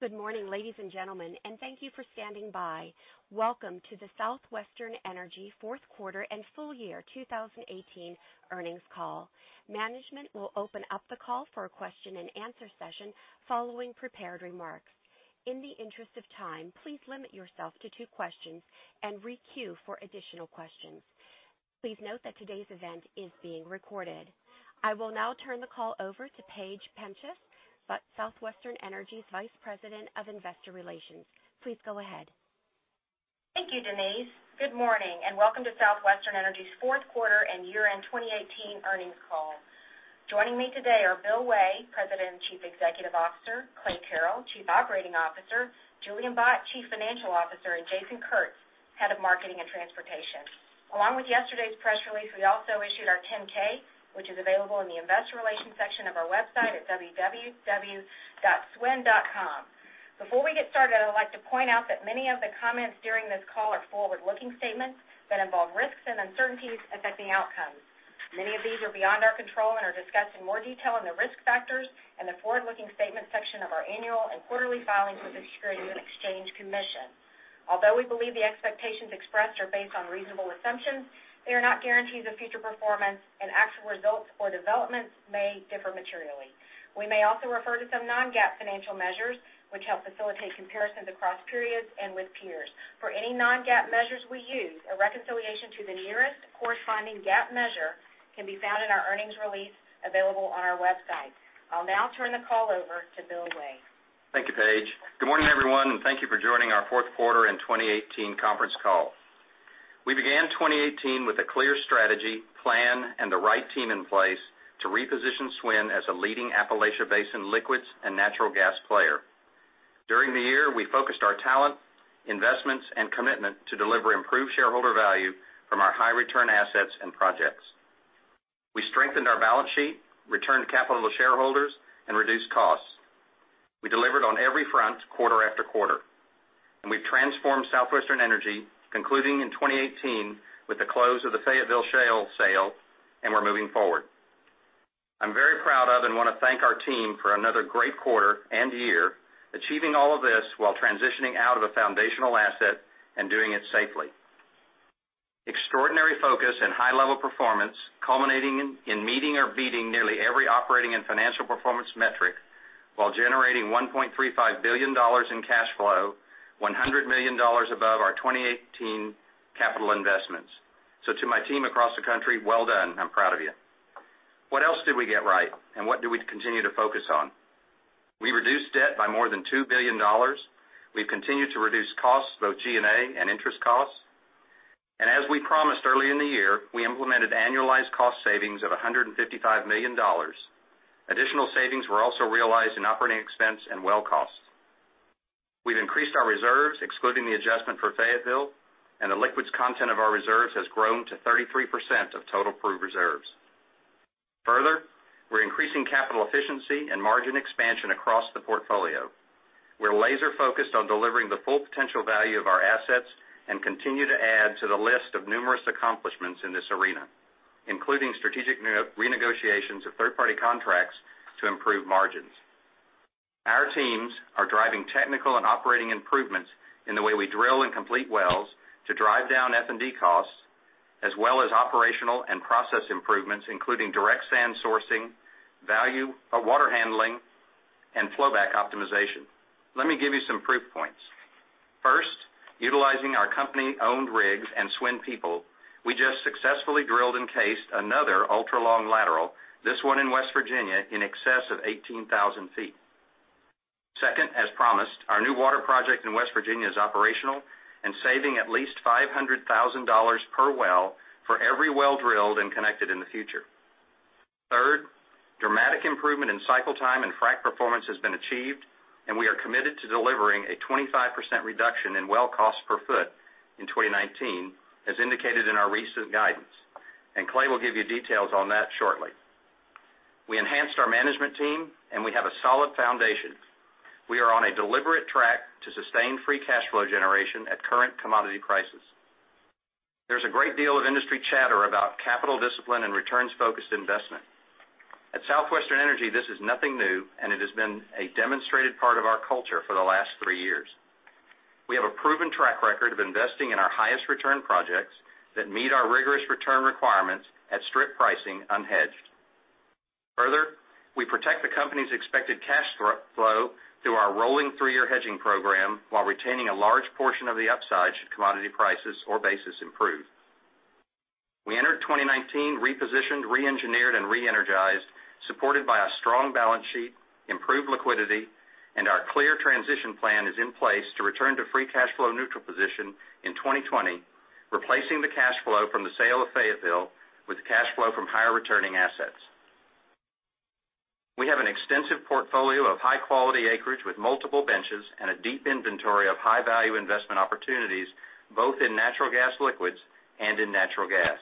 Good morning, ladies and gentlemen, and thank you for standing by. Welcome to the Southwestern Energy fourth quarter and full year 2018 earnings call. Management will open up the call for a question and answer session following prepared remarks. In the interest of time, please limit yourself to two questions and re-queue for additional questions. Please note that today's event is being recorded. I will now turn the call over to Paige Penchas, Southwestern Energy's Vice President of Investor Relations. Please go ahead. Thank you, Denise. Good morning and welcome to Southwestern Energy's fourth quarter and year-end 2018 earnings call. Joining me today are Bill Way, President and Chief Executive Officer, Clay Carrell, Chief Operating Officer, Julian Bott, Chief Financial Officer, and Jason Kurtz, Head of Marketing and Transportation. Along with yesterday's press release, we also issued our 10-K, which is available in the investor relations section of our website at www.swn.com. Before we get started, I'd like to point out that many of the comments during this call are forward-looking statements that involve risks and uncertainties affecting outcomes. Many of these are beyond our control and are discussed in more detail in the risk factors and the forward-looking statements section of our annual and quarterly filings with the Securities and Exchange Commission. Although we believe the expectations expressed are based on reasonable assumptions, they are not guarantees of future performance, and actual results or developments may differ materially. We may also refer to some non-GAAP financial measures, which help facilitate comparisons across periods and with peers. For any non-GAAP measures we use, a reconciliation to the nearest corresponding GAAP measure can be found in our earnings release available on our website. I'll now turn the call over to Bill Way. Thank you, Paige. Good morning, everyone, and thank you for joining our fourth quarter and 2018 conference call. We began 2018 with a clear strategy, plan, and the right team in place to reposition SWN as a leading Appalachian Basin liquids and natural gas player. During the year, we focused our talent, investments, and commitment to deliver improved shareholder value from our high-return assets and projects. We strengthened our balance sheet, returned capital to shareholders, and reduced costs. We delivered on every front quarter after quarter, and we've transformed Southwestern Energy, concluding in 2018 with the close of the Fayetteville Shale sale, and we're moving forward. I'm very proud of and want to thank our team for another great quarter and year, achieving all of this while transitioning out of a foundational asset and doing it safely. Extraordinary focus and high-level performance culminating in meeting or beating nearly every operating and financial performance metric while generating $1.35 billion in cash flow, $100 million above our 2018 capital investments. To my team across the country, well done. I'm proud of you. What else did we get right? What do we continue to focus on? We reduced debt by more than $2 billion. We've continued to reduce costs, both G&A and interest costs. As we promised early in the year, we implemented annualized cost savings of $155 million. Additional savings were also realized in operating expense and well costs. We've increased our reserves, excluding the adjustment for Fayetteville, and the liquids content of our reserves has grown to 33% of total proved reserves. We're increasing capital efficiency and margin expansion across the portfolio. We're laser-focused on delivering the full potential value of our assets and continue to add to the list of numerous accomplishments in this arena, including strategic renegotiations of third-party contracts to improve margins. Our teams are driving technical and operating improvements in the way we drill and complete wells to drive down F&D costs as well as operational and process improvements, including direct sand sourcing, value of water handling, and flow-back optimization. Let me give you some proof points. First, utilizing our company-owned rigs and SWN people, we just successfully drilled and cased another ultra-long lateral, this one in West Virginia, in excess of 18,000 feet. Second, as promised, our new water project in West Virginia is operational and saving at least $500,000 per well for every well drilled and connected in the future. Third, dramatic improvement in cycle time and frac performance has been achieved, we are committed to delivering a 25% reduction in well cost per foot in 2019, as indicated in our recent guidance. Clay will give you details on that shortly. We enhanced our management team, we have a solid foundation. We are on a deliberate track to sustain free cash flow generation at current commodity prices. There's a great deal of industry chatter about capital discipline and returns-focused investment. At Southwestern Energy, this is nothing new, it has been a demonstrated part of our culture for the last three years. We have a proven track record of investing in our highest return projects that meet our rigorous return requirements at strict pricing, unhedged. We protect the company's expected cash flow through our rolling three-year hedging program while retaining a large portion of the upside should commodity prices or basis improve. We entered 2019 repositioned, re-engineered, re-energized, supported by a strong balance sheet, improved liquidity, our clear transition plan is in place to return to free cash flow neutral position in 2020, replacing the cash flow from the sale of Fayetteville with cash flow from higher-returning assets. We have an extensive portfolio of high-quality acreage with multiple benches and a deep inventory of high-value investment opportunities, both in natural gas liquids and in natural gas.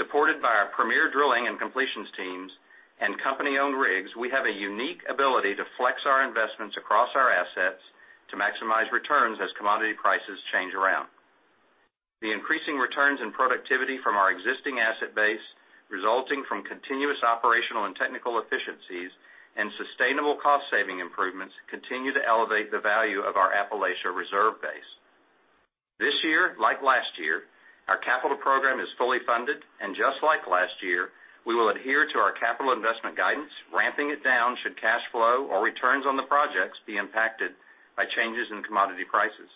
Supported by our premier drilling and completions teams and company-owned rigs, we have a unique ability to flex our investments across our assets to maximize returns as commodity prices change around. The increasing returns in productivity from our existing asset base, resulting from continuous operational and technical efficiencies and sustainable cost-saving improvements, continue to elevate the value of our Appalachia reserve base. This year, like last year, our capital program is fully funded. Just like last year, we will adhere to our capital investment guidance, ramping it down should cash flow or returns on the projects be impacted by changes in commodity prices.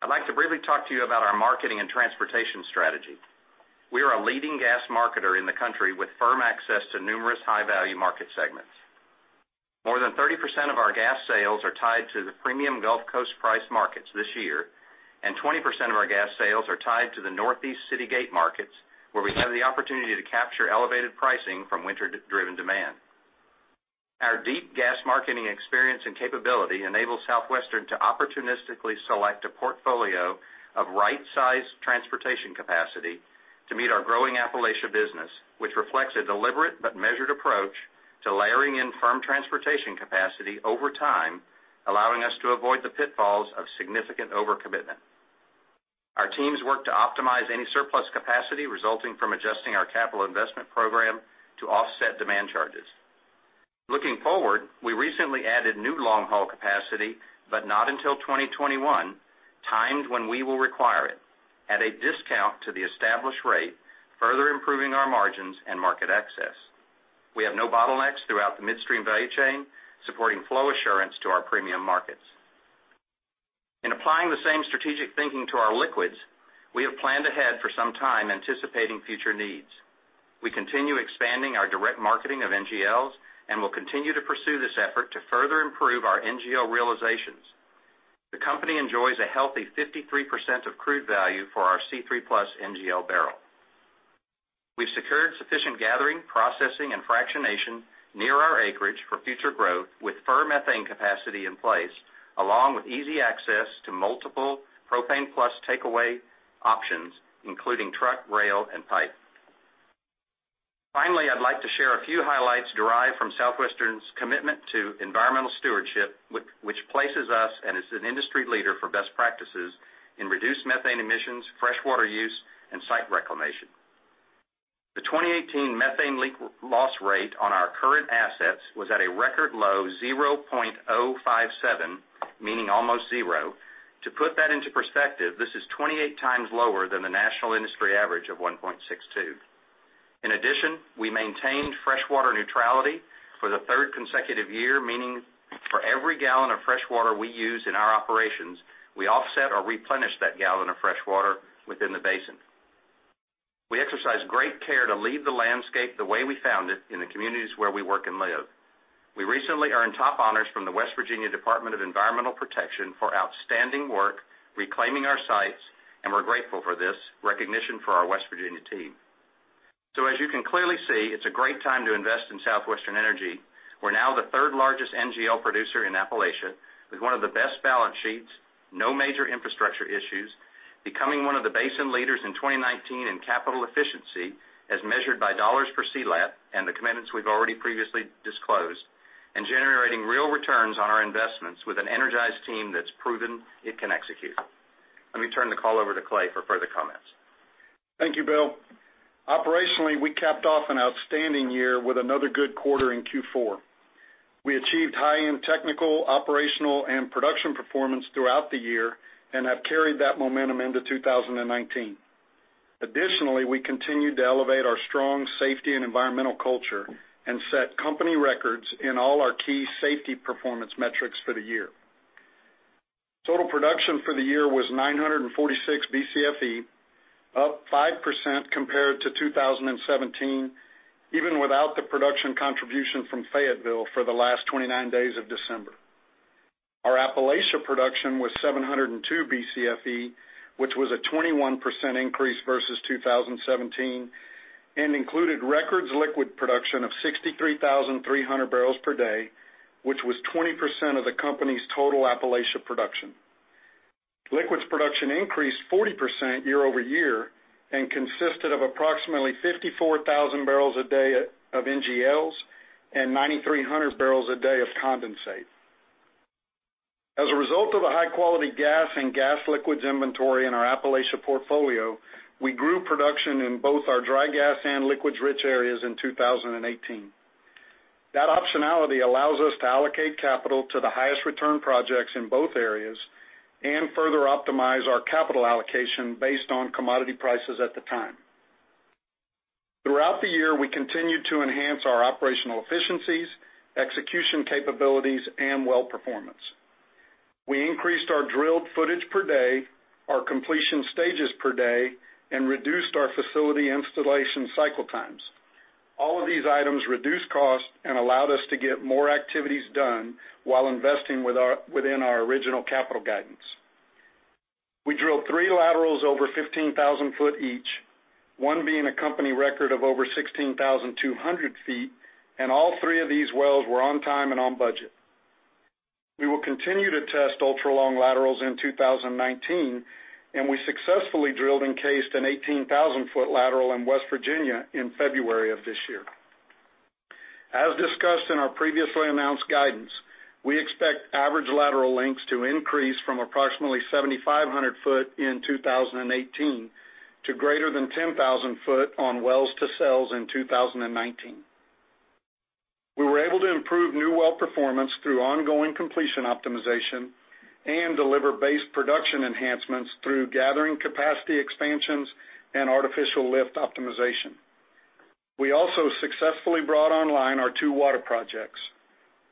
I'd like to briefly talk to you about our marketing and transportation strategy. We are a leading gas marketer in the country with firm access to numerous high-value market segments. More than 30% of our gas sales are tied to the premium Gulf Coast price markets this year. 20% of our gas sales are tied to the Northeast City Gate markets, where we have the opportunity to capture elevated pricing from winter-driven demand. Our deep gas marketing experience and capability enables Southwestern to opportunistically select a portfolio of right-sized transportation capacity to meet our growing Appalachia business, which reflects a deliberate but measured approach to layering in firm transportation capacity over time, allowing us to avoid the pitfalls of significant overcommitment. Our teams work to optimize any surplus capacity resulting from adjusting our capital investment program to offset demand charges. Looking forward, we recently added new long-haul capacity, not until 2021, timed when we will require it, at a discount to the established rate, further improving our margins and market access. We have no bottlenecks throughout the midstream value chain, supporting flow assurance to our premium markets. In applying the same strategic thinking to our liquids, we have planned ahead for some time, anticipating future needs. We continue expanding our direct marketing of NGLs and will continue to pursue this effort to further improve our NGL realizations. The company enjoys a healthy 53% of crude value for our C3+ NGL barrel. We've secured sufficient gathering, processing, and fractionation near our acreage for future growth, with firm methane capacity in place, along with easy access to multiple propane plus takeaway options, including truck, rail, and pipe. Finally, I'd like to share a few highlights derived from Southwestern's commitment to environmental stewardship, which places us and is an industry leader for best practices in reduced methane emissions, fresh water use, and site reclamation. The 2018 methane leak loss rate on our current assets was at a record low 0.057, meaning almost zero. To put that into perspective, this is 28 times lower than the national industry average of 1.62. In addition, we maintained fresh water neutrality for the third consecutive year, meaning for every gallon of fresh water we use in our operations, we offset or replenish that gallon of fresh water within the basin. We exercise great care to leave the landscape the way we found it in the communities where we work and live. We recently earned top honors from the West Virginia Department of Environmental Protection for outstanding work reclaiming our sites. We're grateful for this recognition for our West Virginia team. As you can clearly see, it's a great time to invest in Southwestern Energy. We're now the third largest NGL producer in Appalachia with one of the best balance sheets, no major infrastructure issues, becoming one of the basin leaders in 2019 in capital efficiency as measured by $ per lateral and the commitments we've already previously disclosed, and generating real returns on our investments with an energized team that's proven it can execute. Let me turn the call over to Clay for further comments. Thank you, Bill. Operationally, we capped off an outstanding year with another good quarter in Q4. We achieved high-end technical, operational, and production performance throughout the year and have carried that momentum into 2019. Additionally, we continue to elevate our strong safety and environmental culture and set company records in all our key safety performance metrics for the year. Total production for the year was 946 Bcfe, up 5% compared to 2017, even without the production contribution from Fayetteville for the last 29 days of December. Our Appalachia production was 702 Bcfe, which was a 21% increase versus 2017 and included records liquid production of 63,300 barrels per day, which was 20% of the company's total Appalachia production. Liquids production increased 40% year-over-year and consisted of approximately 54,000 barrels a day of NGLs and 9,300 barrels a day of condensate. As a result of the high-quality gas and gas liquids inventory in our Appalachia portfolio, we grew production in both our dry gas and liquids-rich areas in 2018. That optionality allows us to allocate capital to the highest return projects in both areas and further optimize our capital allocation based on commodity prices at the time. Throughout the year, we continued to enhance our operational efficiencies, execution capabilities, and well performance. We increased our drilled footage per day, our completion stages per day, and reduced our facility installation cycle times. All of these items reduced costs and allowed us to get more activities done while investing within our original capital guidance. We drilled three laterals over 15,000 foot each, one being a company record of over 16,200 feet, and all three of these wells were on time and on budget. We will continue to test ultra-long laterals in 2019. We successfully drilled and cased an 18,000-foot lateral in West Virginia in February of this year. As discussed in our previously announced guidance, we expect average lateral lengths to increase from approximately 7,500 foot in 2018 to greater than 10,000 foot on wells to sales in 2019. We were able to improve new well performance through ongoing completion optimization and deliver base production enhancements through gathering capacity expansions and artificial lift optimization. We also successfully brought online our two water projects.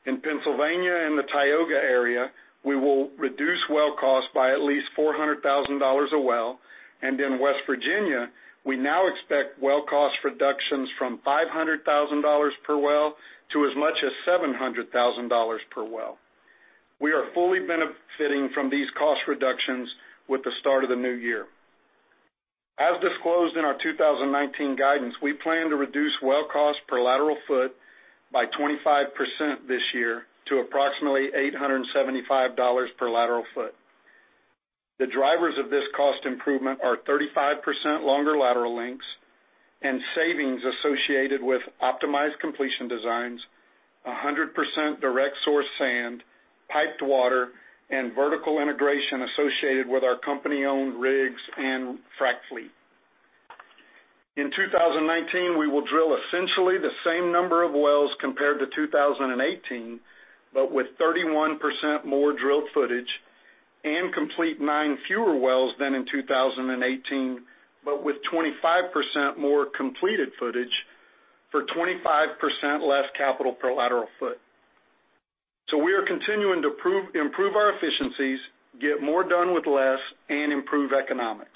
In Pennsylvania and the Tioga area, we will reduce well cost by at least $400,000 a well. In West Virginia, we now expect well cost reductions from $500,000 per well to as much as $700,000 per well. We are fully benefiting from these cost reductions with the start of the new year. As disclosed in our 2019 guidance, we plan to reduce well cost per lateral foot by 25% this year to approximately $875 per lateral foot. The drivers of this cost improvement are 35% longer lateral lengths and savings associated with optimized completion designs, 100% direct source sand, piped water, and vertical integration associated with our company-owned rigs and frac fleet. In 2019, we will drill essentially the same number of wells compared to 2018, but with 31% more drilled footage and complete nine fewer wells than in 2018, but with 25% more completed footage for 25% less capital per lateral foot. We are continuing to improve our efficiencies, get more done with less, and improve economics.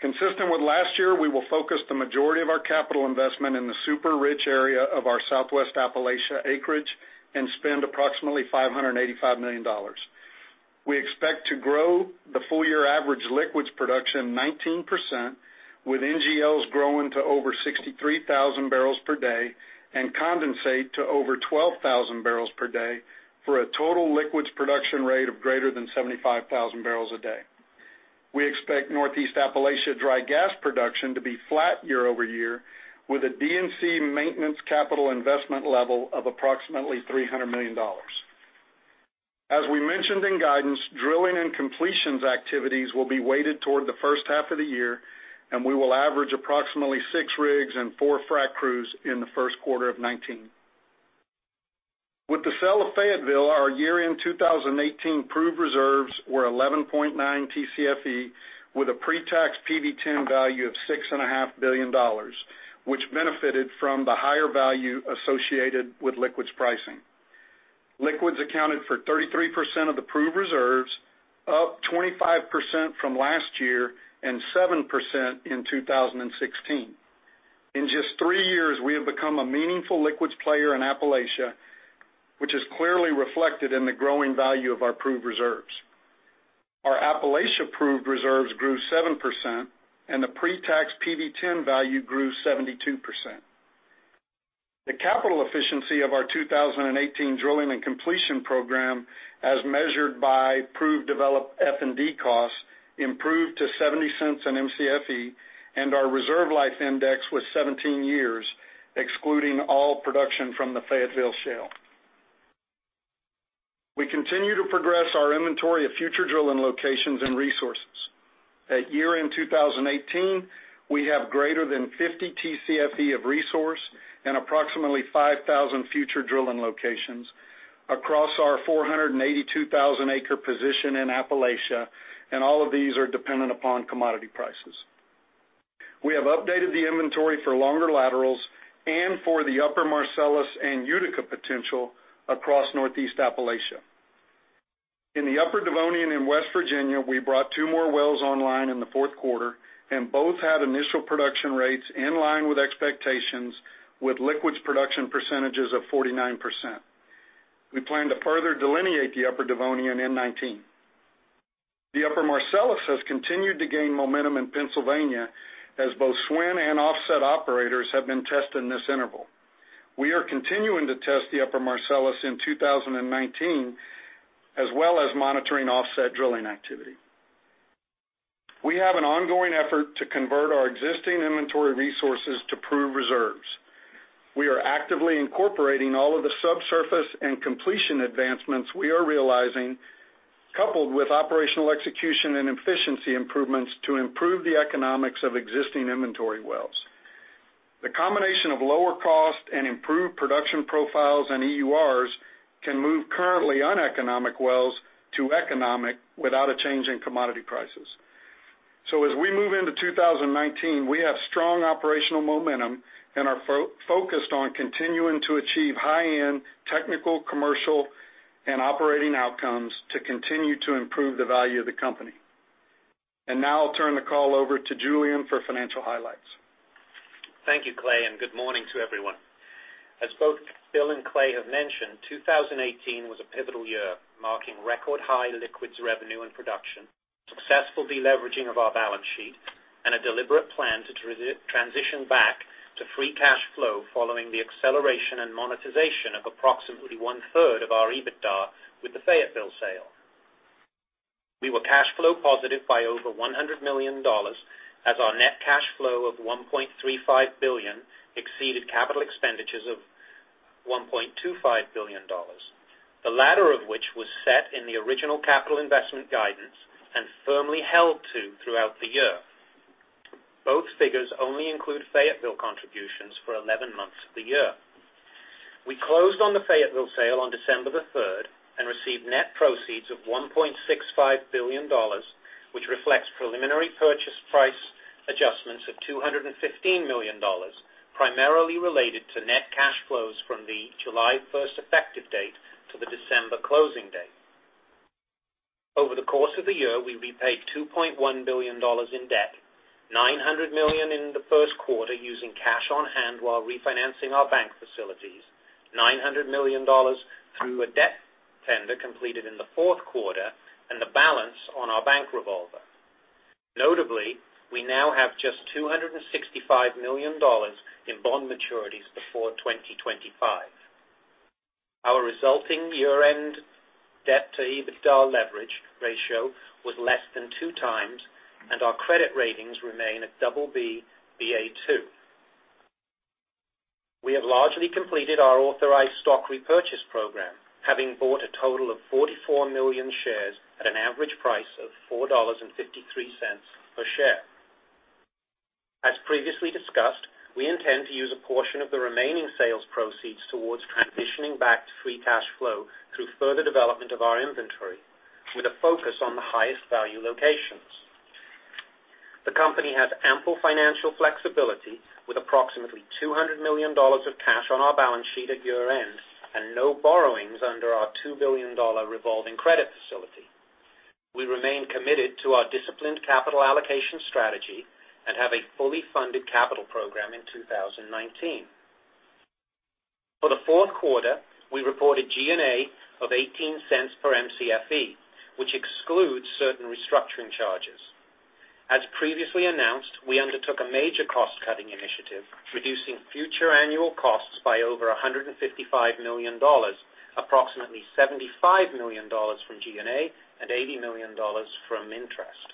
Consistent with last year, we will focus the majority of our capital investment in the super-rich area of our Southwest Appalachia acreage and spend approximately $585 million. We expect to grow the full-year average liquids production 19%, with NGLs growing to over 63,000 barrels per day and condensate to over 12,000 barrels per day for a total liquids production rate of greater than 75,000 barrels a day. We expect Northeast Appalachia dry gas production to be flat year-over-year with a D&C maintenance capital investment level of approximately $300 million. As we mentioned in guidance, drilling and completions activities will be weighted toward the first half of the year, and we will average approximately six rigs and four frac crews in the first quarter of 2019. With the sale of Fayetteville, our year-end 2018 proved reserves were 11.9 TCFE with a pre-tax PV-10 value of $6.5 billion, which benefited from the higher value associated with liquids pricing. Liquids accounted for 33% of the proved reserves, up 25% from last year and 7% in 2016. In just three years, we have become a meaningful liquids player in Appalachia, which is clearly reflected in the growing value of our proved reserves. Our Appalachia proved reserves grew 7%, and the pre-tax PV-10 value grew 72%. The capital efficiency of our 2018 drilling and completion program, as measured by proved developed F&D costs, improved to $0.70 an MCFE, and our reserve life index was 17 years, excluding all production from the Fayetteville Shale. We continue to progress our inventory of future drilling locations and resources. At year-end 2018, we have greater than 50 TCFE of resource and approximately 5,000 future drilling locations across our 482,000-acre position in Appalachia, and all of these are dependent upon commodity prices. We have updated the inventory for longer laterals and for the Upper Marcellus and Utica potential across Northeast Appalachia. In the Upper Devonian in West Virginia, we brought two more wells online in the fourth quarter, and both had initial production rates in line with expectations with liquids production percentages of 49%. We plan to further delineate the Upper Devonian in 2019. The Upper Marcellus has continued to gain momentum in Pennsylvania as both SWN and offset operators have been testing this interval. We are continuing to test the Upper Marcellus in 2019, as well as monitoring offset drilling activity. We have an ongoing effort to convert our existing inventory resources to proved reserves. We are actively incorporating all of the subsurface and completion advancements we are realizing, coupled with operational execution and efficiency improvements to improve the economics of existing inventory wells. The combination of lower cost and improved production profiles and EURs can move currently uneconomic wells to economic without a change in commodity prices. As we move into 2019, we have strong operational momentum and are focused on continuing to achieve high-end technical, commercial, and operating outcomes to continue to improve the value of the company. Now I'll turn the call over to Julian for financial highlights. Thank you, Clay, and good morning to everyone. As both Bill and Clay have mentioned, 2018 was a pivotal year, marking record high liquids revenue and production, successful de-leveraging of our balance sheet, and a deliberate plan to transition back to free cash flow following the acceleration and monetization of approximately one-third of our EBITDA with the Fayetteville sale. We were cash flow positive by over $100 million as our net cash flow of $1.35 billion exceeded capital expenditures of $1.25 billion, the latter of which was set in the original capital investment guidance and firmly held to throughout the year. Both figures only include Fayetteville contributions for 11 months of the year. We closed on the Fayetteville sale on December the 3rd and received net proceeds of $1.65 billion, which reflects preliminary purchase price adjustments of $215 million, primarily related to net cash flows from the July 1st effective date to the December closing date. Over the course of the year, we repaid $2.1 billion in debt, $900 million in the first quarter using cash on hand while refinancing our bank facilities, $900 million through a debt tender completed in the fourth quarter, and the balance on our bank revolver. Notably, we now have just $265 million in bond maturities before 2025. Our resulting year-end debt to EBITDA leverage ratio was less than two times, and our credit ratings remain at double B, Ba2. We have largely completed our authorized stock repurchase program, having bought a total of 44 million shares at an average price of $4.53 per share. As previously discussed, we intend to use a portion of the remaining sales proceeds towards transitioning back to free cash flow through further development of our inventory, with a focus on the highest value locations. The company has ample financial flexibility with approximately $200 million of cash on our balance sheet at year-end and no borrowings under our $2 billion revolving credit facility. We remain committed to our disciplined capital allocation strategy and have a fully funded capital program in 2019. For the fourth quarter, we reported G&A of $0.18 per MCFE, which excludes certain restructuring charges. As previously announced, we undertook a major cost-cutting initiative, reducing future annual costs by over $155 million, approximately $75 million from G&A and $80 million from interest.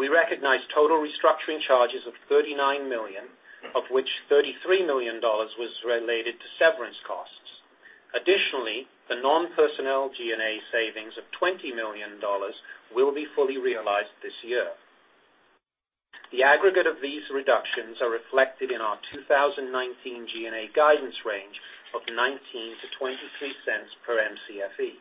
We recognized total restructuring charges of $39 million, of which $33 million was related to severance costs. Additionally, the non-personnel G&A savings of $20 million will be fully realized this year. The aggregate of these reductions are reflected in our 2019 G&A guidance range of $0.19 to $0.23 per MCFE.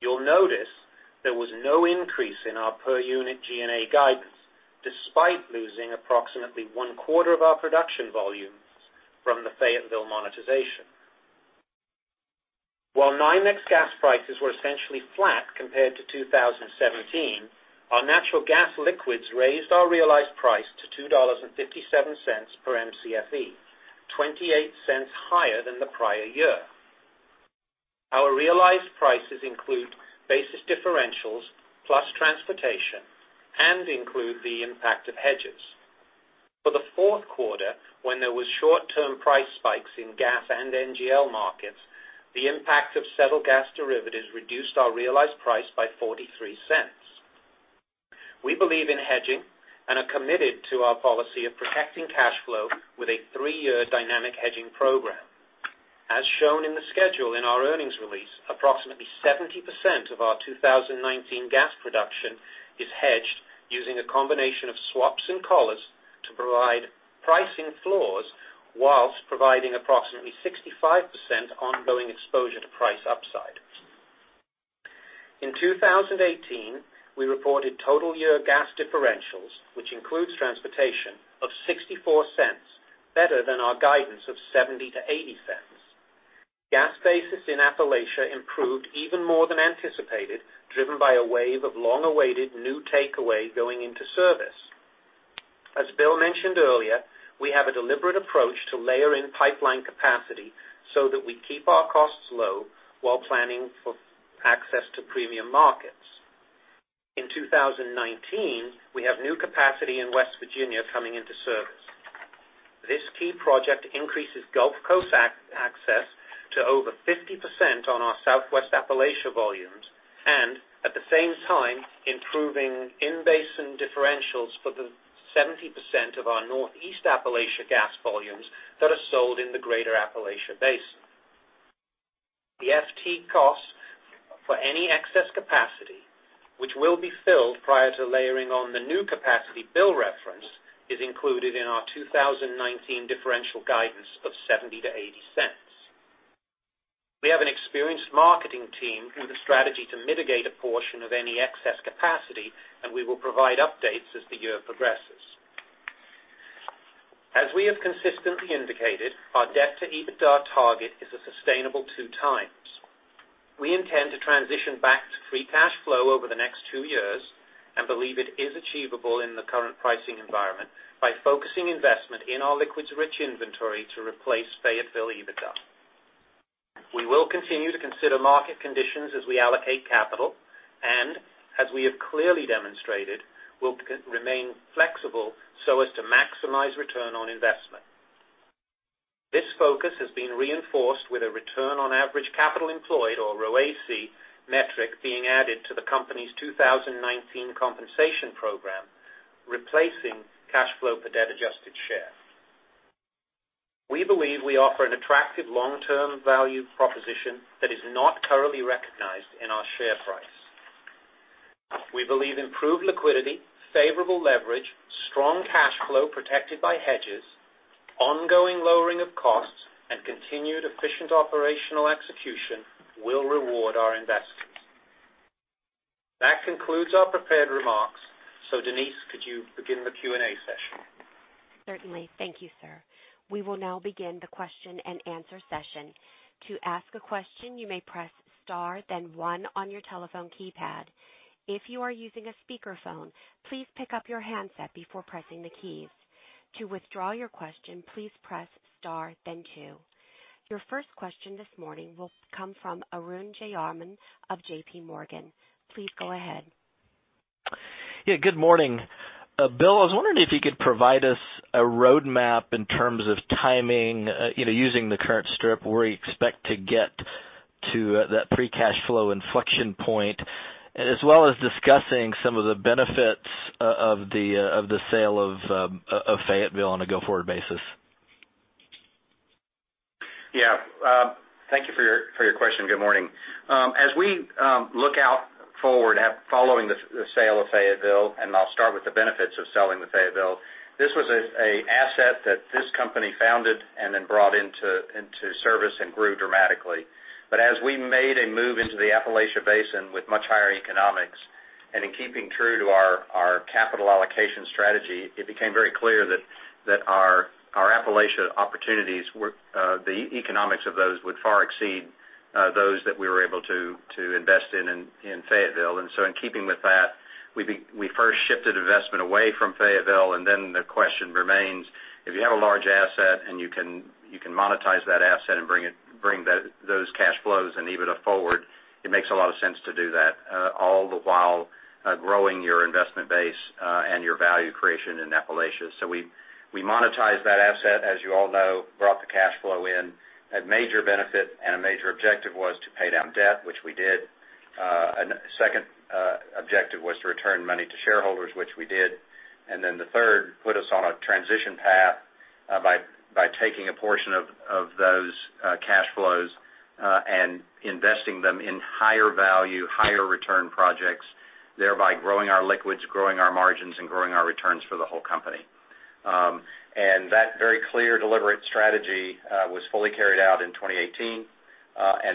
You'll notice there was no increase in our per-unit G&A guidance despite losing approximately one-quarter of our production volumes from the Fayetteville monetization. While NYMEX gas prices were essentially flat compared to 2017, our natural gas liquids raised our realized price to $2.57 per MCFE, $0.28 higher than the prior year. Our realized prices include basis differentials plus transportation and include the impact of hedges. For the fourth quarter, when there was short-term price spikes in gas and NGL markets, the impact of several gas derivatives reduced our realized price by $0.43. We believe in hedging and are committed to our policy of protecting cash flow with a three-year dynamic hedging program. As shown in the schedule in our earnings release, approximately 70% of our 2019 gas production is hedged using a combination of swaps and collars to provide pricing floors whilst providing approximately 65% ongoing exposure to price upside. In 2018, we reported total year gas differentials, which includes transportation, of $0.64, better than our guidance of $0.70 to $0.80. Gas basis in Appalachia improved even more than anticipated, driven by a wave of long-awaited new takeaway going into service. As Bill mentioned earlier, we have a deliberate approach to layer in pipeline capacity so that we keep our costs low while planning for access to premium markets. In 2019, we have new capacity in West Virginia coming into service. This key project increases Gulf Coast access to over 50% on our Southwest Appalachia volumes and at the same time improving in-basin differentials for the 70% of our Northeast Appalachia gas volumes that are sold in the greater Appalachia basin. The FT cost for any excess capacity, which will be filled prior to layering on the new capacity Bill referenced, is included in our 2019 differential guidance of $0.70 to $0.80. We have an experienced marketing team with a strategy to mitigate a portion of any excess capacity, and we will provide updates as the year progresses. As we have consistently indicated, our debt to EBITDA target is a sustainable two times. We intend to transition back to free cash flow over the next two years and believe it is achievable in the current pricing environment by focusing investment in our liquids-rich inventory to replace Fayetteville EBITDA. We will continue to consider market conditions as we allocate capital, and as we have clearly demonstrated, we'll remain flexible so as to maximize return on investment. Focus has been reinforced with a return on average capital employed, or ROACE, metric being added to the company's 2019 compensation program, replacing cash flow per debt adjusted share. We believe we offer an attractive long-term value proposition that is not currently recognized in our share price. We believe improved liquidity, favorable leverage, strong cash flow protected by hedges, ongoing lowering of costs, and continued efficient operational execution will reward our investors. That concludes our prepared remarks. Denise, could you begin the Q&A session? Certainly. Thank you, sir. We will now begin the question and answer session. To ask a question, you may press star, then one on your telephone keypad. If you are using a speakerphone, please pick up your handset before pressing the keys. To withdraw your question, please press star, then two. Your first question this morning will come from Arun Jayaraman of J.P. Morgan. Please go ahead. Yeah. Good morning. Bill, I was wondering if you could provide us a roadmap in terms of timing, using the current strip, where you expect to get to that free cash flow inflection point, as well as discussing some of the benefits of the sale of Fayetteville on a go-forward basis. Yeah. Thank you for your question. Good morning. As we look out forward following the sale of Fayetteville, and I'll start with the benefits of selling the Fayetteville. This was an asset that this company founded and then brought into service and grew dramatically. As we made a move into the Appalachia Basin with much higher economics, and in keeping true to our capital allocation strategy, it became very clear that our Appalachia opportunities, the economics of those would far exceed those that we were able to invest in Fayetteville. In keeping with that, we first shifted investment away from Fayetteville, then the question remains, if you have a large asset and you can monetize that asset and bring those cash flows and EBITDA forward, it makes a lot of sense to do that, all the while growing your investment base, and your value creation in Appalachia. We monetized that asset, as you all know, brought the cash flow in. A major benefit and a major objective was to pay down debt, which we did. A second objective was to return money to shareholders, which we did. The third, put us on a transition path by taking a portion of those cash flows, and investing them in higher value, higher return projects, thereby growing our liquids, growing our margins, and growing our returns for the whole company. That very clear, deliberate strategy was fully carried out in 2018.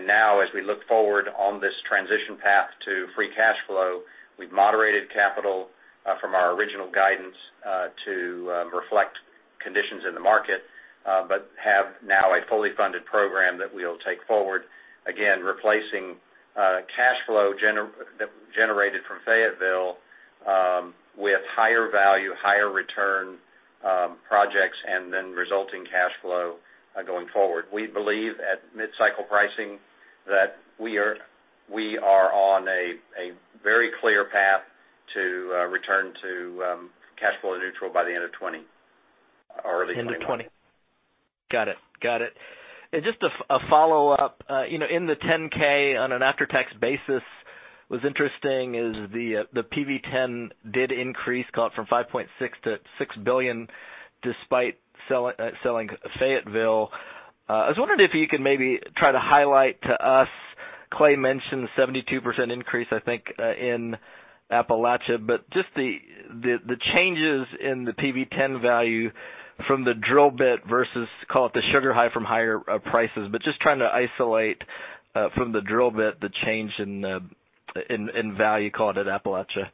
Now as we look forward on this transition path to free cash flow, we've moderated capital from our original guidance to reflect conditions in the market, but have now a fully funded program that we'll take forward, again, replacing cash flow generated from Fayetteville with higher value, higher return projects, then resulting cash flow going forward. We believe at mid-cycle pricing that we are on a very clear path to return to cash flow neutral by the end of 2020 or early 2021. End of 2020. Got it. Just a follow-up. In the 10K, on an after-tax basis, what's interesting is the PV-10 did increase, got from $5.6 billion to $6 billion despite selling Fayetteville. I was wondering if you could maybe try to highlight to us, Clay mentioned the 72% increase, I think, in Appalachia, but just the changes in the PV-10 value from the drill bit versus, call it the sugar high from higher prices, but just trying to isolate from the drill bit, the change in value, call it, at Appalachia.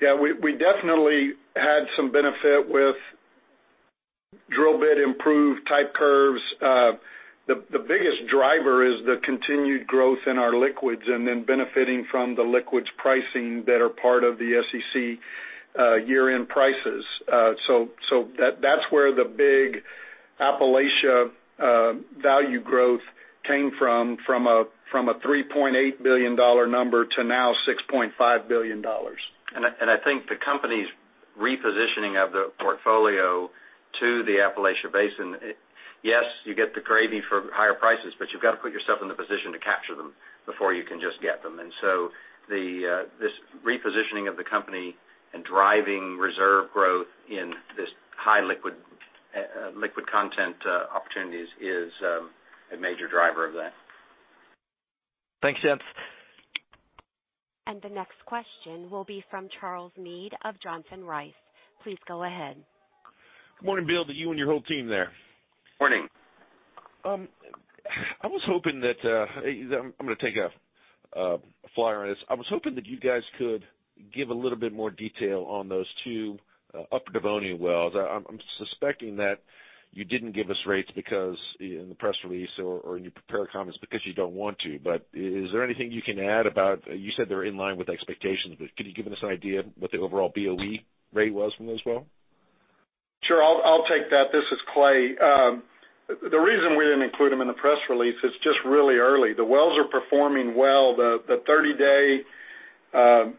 We definitely had some benefit with drill bit improved type curves. The biggest driver is the continued growth in our liquids and then benefiting from the liquids pricing that are part of the SEC year-end prices. That's where the big Appalachia value growth came from a $3.8 billion number to now $6.5 billion. I think the company's repositioning of the portfolio to the Appalachian Basin, yes, you get the gravy for higher prices, but you've got to put yourself in the position to capture them before you can just get them. This repositioning of the company and driving reserve growth in this high liquid content opportunities is a major driver of that. Thanks, gents. The next question will be from Charles Meade of Johnson Rice. Please go ahead. Good morning, Bill, to you and your whole team there. Morning. I was hoping that I'm going to take a flyer on this. I was hoping that you guys could give a little bit more detail on those two Upper Devonian wells. I'm suspecting that you didn't give us rates in the press release or in your prepared comments because you don't want to, but is there anything you can add about, you said they're in line with expectations, but could you give us an idea what the overall BOE rate was from those wells? Sure. I'll take that. This is Clay. It's just really early. The wells are performing well. The 30-day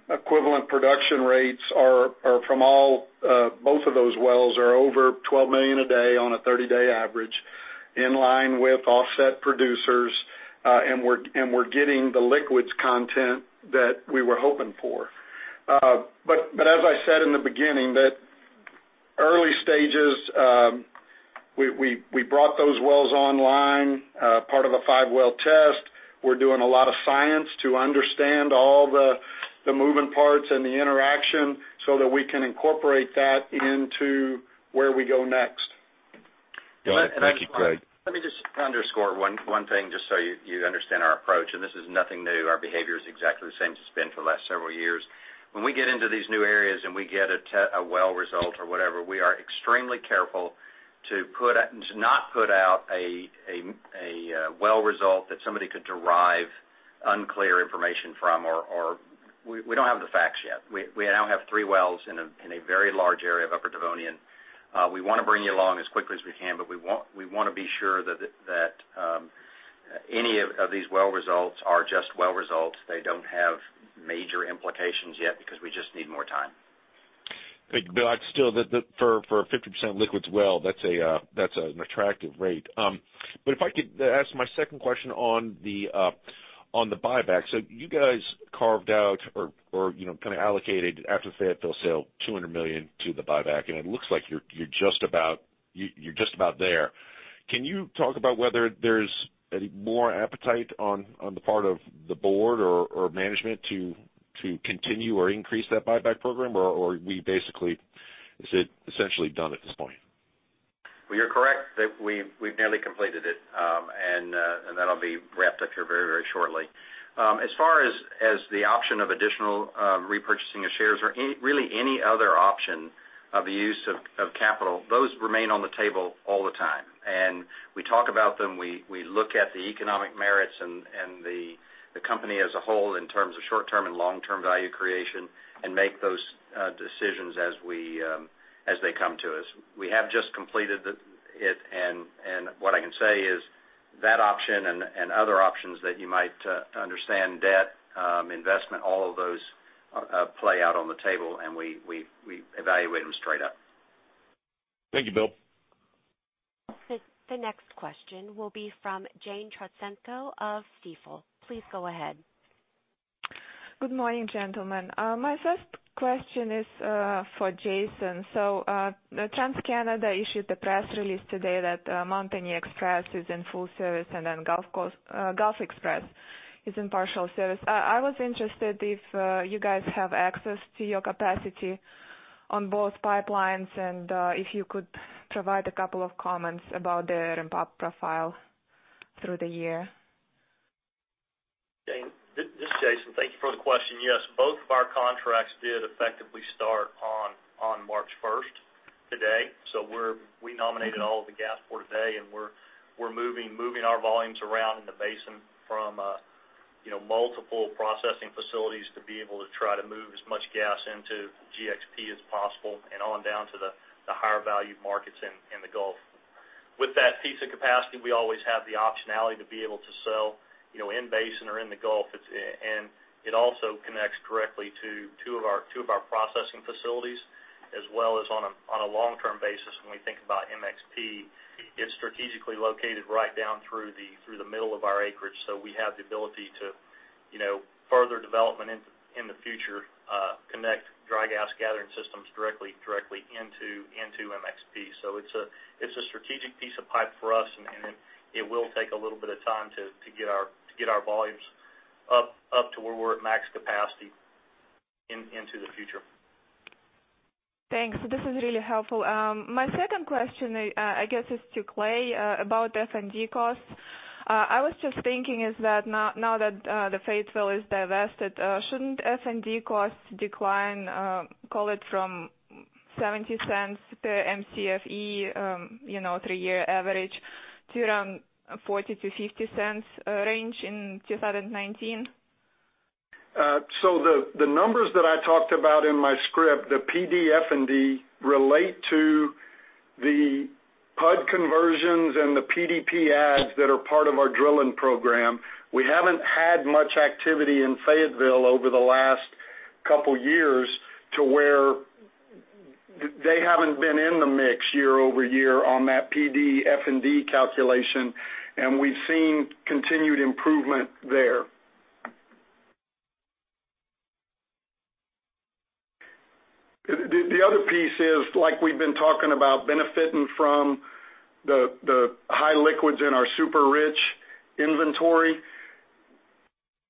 equivalent production rates are from both of those wells are over 12 million a day on a 30-day average, in line with offset producers. We're getting the liquids content that we were hoping for. As I said in the beginning, that early stages, we brought those wells online, part of a five-well test. We're doing a lot of science to understand all the moving parts and the interaction so that we can incorporate that into where we go next. Bill, thank you, Clay. Let me just underscore one thing, just so you understand our approach. This is nothing new. Our behavior is exactly the same as it's been for the last several years. When we get into these new areas and we get a well result or whatever, we are extremely careful to not put out a well result that somebody could derive unclear information from, or we don't have the facts yet. We now have three wells in a very large area of Upper Devonian. We want to bring you along as quickly as we can, we want to be sure that any of these well results are just well results. They don't have major implications yet, because we just need more time. Thank you, Bill. Still, for a 50% liquids well, that's an attractive rate. If I could ask my second question on the buyback. You guys carved out or kind of allocated after the Fayetteville sale, $200 million to the buyback, and it looks like you're just about there. Can you talk about whether there's any more appetite on the part of the board or management to continue or increase that buyback program? Or is it essentially done at this point? Well, you're correct that we've nearly completed it. That'll be wrapped up here very shortly. As far as the option of additional repurchasing of shares or really any other option of the use of capital, those remain on the table all the time. We talk about them, we look at the economic merits and the company as a whole in terms of short-term and long-term value creation, and make those decisions as they come to us. We have just completed it, and what I can say is that option and other options that you might understand, debt, investment, all of those play out on the table, and we evaluate them straight up. Thank you, Bill. The next question will be from Jane Trotsenko of Stifel. Please go ahead. Good morning, gentlemen. My first question is for Jason. TransCanada issued the press release today that Mountaineer XPress is in full service, Gulf XPress is in partial service. I was interested if you guys have access to your capacity on both pipelines, and if you could provide a couple of comments about the ramp-up profile through the year. Jane, this is Jason. Thank you for the question. Yes, both of our contracts did effectively start on March 1st, today. We nominated all of the gas for today, and we're moving our volumes around in the basin from multiple processing facilities to be able to try to move as much gas into GXP as possible, and on down to the higher value markets in the Gulf. With that piece of capacity, we always have the optionality to be able to sell in basin or in the Gulf, and it also connects directly to two of our processing facilities, as well as on a long-term basis, when we think about MXP, it's strategically located right down through the middle of our acreage. We have the ability to further development in the future, connect dry gas gathering systems directly into MXP. It's a strategic piece of pipe for us, and it will take a little bit of time to get our volumes up to where we're at max capacity into the future. Thanks. This is really helpful. My second question, I guess is to Clay about F&D costs. I was just thinking is that now that the Fayetteville is divested, shouldn't F&D costs decline, call it from $0.70 per MCFE three-year average to around $0.40-$0.50 range in 2019? The numbers that I talked about in my script, the PD F&D relate to the PUD conversions and the PDP adds that are part of our drilling program. We haven't had much activity in Fayetteville over the last couple years to where they haven't been in the mix year-over-year on that PD F&D calculation, and we've seen continued improvement there. The other piece is, like we've been talking about benefiting from the high liquids in our super rich inventory.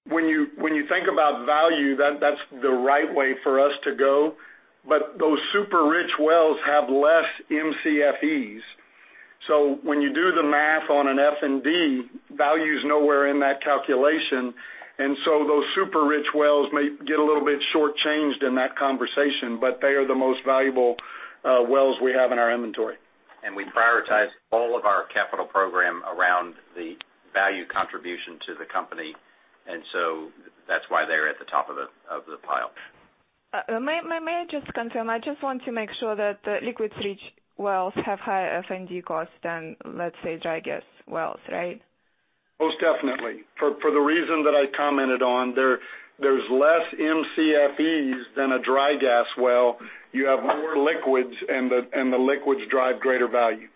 When you think about value, that's the right way for us to go. Those super-rich wells have less MCFEs. When you do the math on an F&D, value's nowhere in that calculation. Those super-rich wells may get a little bit short-changed in that conversation, but they are the most valuable wells we have in our inventory. We prioritize all of our capital program around the value contribution to the company, and so that's why. May I just confirm, I just want to make sure that the liquids-rich wells have higher F&D costs than, let's say, dry gas wells, right? Most definitely. For the reason that I commented on, there's less MCFEs than a dry gas well. You have more liquids, and the liquids drive greater value.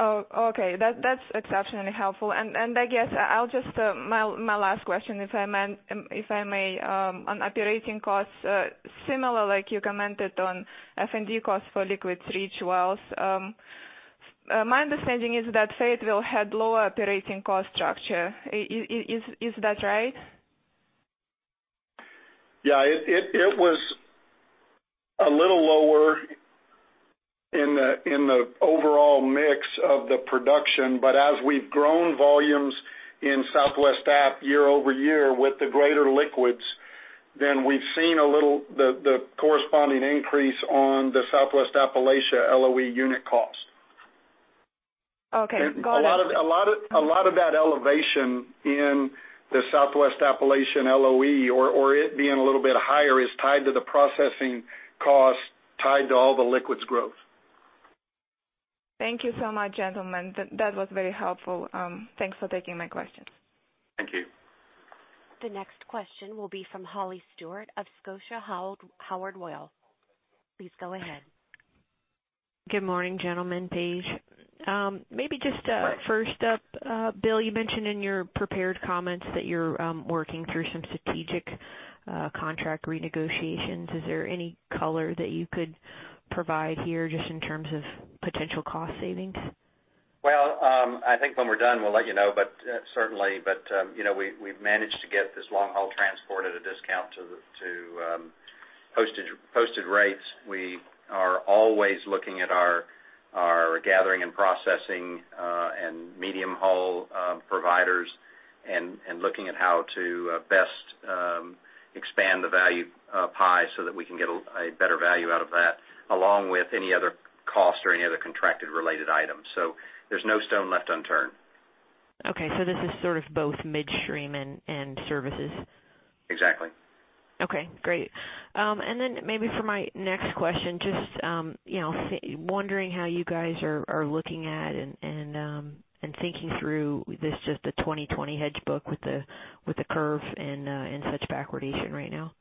Oh, okay. That's exceptionally helpful. I guess I'll just, my last question, if I may, on operating costs, similar like you commented on F&D costs for liquids-rich wells. My understanding is that Fayetteville had lower operating cost structure. Is that right? Yeah. It was a little lower in the overall mix of the production, but as we've grown volumes in Southwest App year-over-year with the greater liquids, then we've seen a little, the corresponding increase on the Southwest Appalachia LOE unit cost. Okay. Go ahead. A lot of that elevation in the Southwest Appalachian LOE, or it being a little bit higher, is tied to the processing cost, tied to all the liquids growth. Thank you so much, gentlemen. That was very helpful. Thanks for taking my questions. Thank you. The next question will be from Holly Stewart of Scotia Howard Weil. Please go ahead. Good morning, gentlemen, Paige. Maybe just first up, Bill, you mentioned in your prepared comments that you're working through some strategic contract renegotiations. Is there any color that you could provide here just in terms of potential cost savings? Well, I think when we're done, we'll let you know, certainly. We've managed to get this long-haul transport at a discount to posted rates. We are always looking at our gathering and processing and medium-haul providers and looking at how to best expand the value pie so that we can get a better value out of that, along with any other cost or any other contracted related items. There's no stone left unturned. Okay, this is sort of both midstream and services. Exactly. Okay, great. Maybe for my next question, just wondering how you guys are looking at and thinking through this just the 2020 hedge book with the curve and such backwardation right now.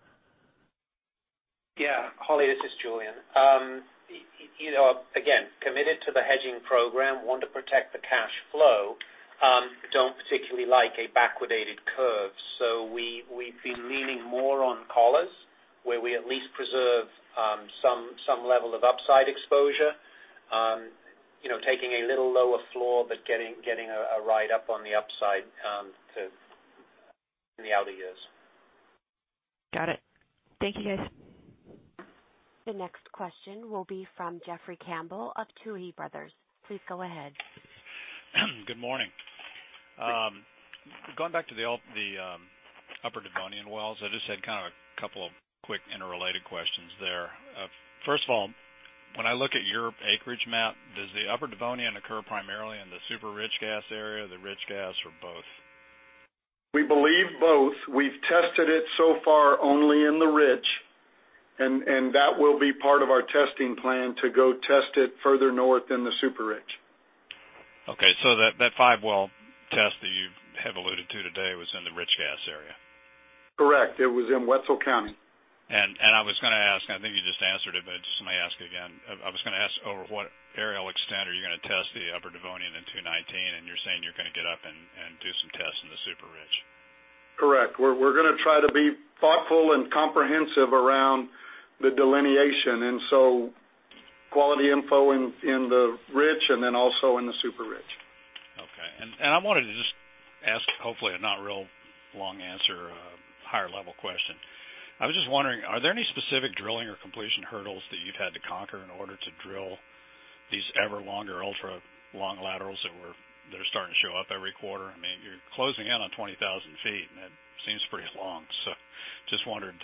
Yeah. Holly, this is Julian. Again, committed to the hedging program, want to protect the cash flow, don't particularly like a backwardated curve. We've been leaning more on collars, where we at least preserve some level of upside exposure. Taking a little lower floor, but getting a ride up on the upside in the outer years. Got it. Thank you, guys. The next question will be from Jeffrey Campbell of Tuohy Brothers. Please go ahead. Good morning. Going back to the Upper Devonian wells, I just had kind of a couple of quick interrelated questions there. First of all, when I look at your acreage map, does the Upper Devonian occur primarily in the super-rich gas area, the rich gas, or both? We believe both. We've tested it so far only in the rich, and that will be part of our testing plan to go test it further north in the super rich. Okay, that five-well test that you have alluded to today was in the rich gas area. Correct. It was in Wetzel County. I was going to ask, I think you just answered it, just let me ask again. I was going to ask over what aerial extent are you going to test the Upper Devonian in 2019, you're saying you're going to get up and do some tests in the super rich. Correct. We're going to try to be thoughtful and comprehensive around the delineation. Quality info in the rich and then also in the super rich. Okay. I wanted to just ask, hopefully a not real long answer, a higher-level question. I was just wondering, are there any specific drilling or completion hurdles that you've had to conquer in order to drill these ever longer ultra long laterals that are starting to show up every quarter? I mean, you're closing in on 20,000 feet, and that seems pretty long. Just wondered